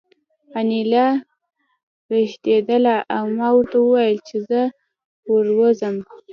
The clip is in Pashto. انیلا رېږېدله او ما ورته وویل چې زه ور ووځم